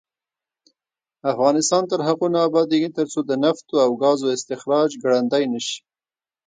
افغانستان تر هغو نه ابادیږي، ترڅو د نفتو او ګازو استخراج ګړندی نشي.